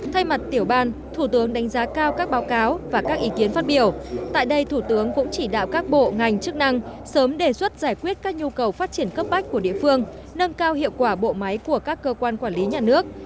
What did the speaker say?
thay mặt tiểu ban thủ tướng đánh giá cao các báo cáo và các ý kiến phát biểu tại đây thủ tướng cũng chỉ đạo các bộ ngành chức năng sớm đề xuất giải quyết các nhu cầu phát triển cấp bách của địa phương nâng cao hiệu quả bộ máy của các cơ quan quản lý nhà nước